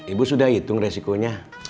ibu sudah hitung resikonya